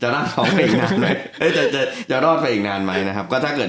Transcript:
ในในในในในใน